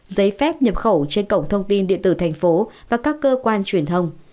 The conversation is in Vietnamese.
giấy phép nhập khẩu trên cổng thông tin điện tử thành phố và các cơ quan truyền thông